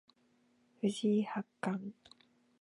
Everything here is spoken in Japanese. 藤井八冠